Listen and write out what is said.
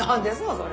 それ。